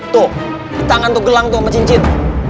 tuh tangan tuh gelang tuh sama cincin